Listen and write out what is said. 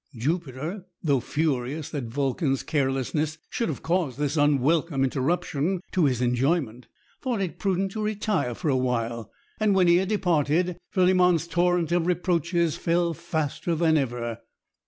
Jupiter, though furious that Vulcan's carelessness should have caused this unwelcome interruption to his enjoyment, thought it prudent to retire for awhile; and when he had departed, Philemon's torrent of reproaches fell faster than ever.